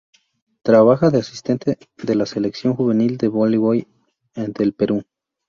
Trabaja de asistente de la Selección juvenil de voleibol del Perú.